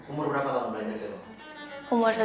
umur berapa kamu belajar jelo